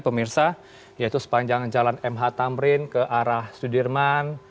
pemirsa yaitu sepanjang jalan mh tamrin ke arah sudirman